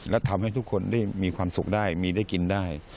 และทำให้ทุกคนได้มีความสุขได้มีได้กินได้